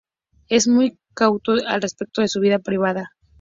Es muy cauto al respecto de su vida privada.